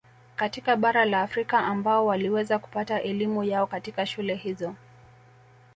Katika bara la Afrika ambao waliweza kupata elimu yao katika shule hizo